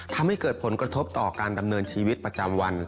ทำให้เกิดผลกระทบต่อการดำเนินชีวิตประจำวัน